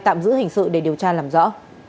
tạm giữ hình sự để điều tra làm rõ